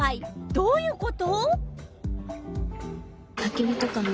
どういうこと？